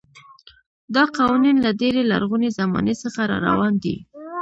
دا قوانین له ډېرې لرغونې زمانې څخه راروان دي.